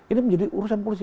ini menjadi urusan polisi